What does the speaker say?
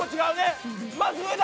まず上だ！